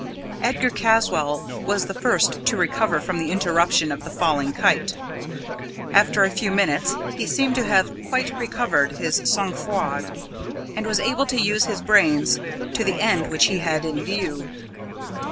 Edgar Caswall was the first to recover from the interruption of the falling kite. After a few minutes he seemed to have quite recovered his sang froid, and was able to use his brains to the end which he had in view.